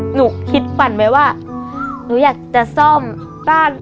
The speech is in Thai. หนูคิดฝันไว้ว่าหนูอยากจะซ่อมบ้าน